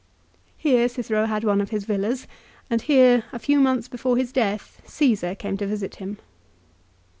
Here Cicero had one of his villas, and here, a few months before his death, Caesar came to visit him.